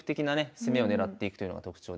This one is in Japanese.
攻めを狙っていくというのが特徴ですね。